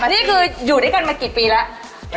นี่คืออยู่ด้วยกันมากี่ปีแล้ว